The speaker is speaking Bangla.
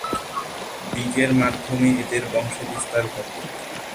বীজের মাধ্যমে এদের বংশবিস্তার ঘটে।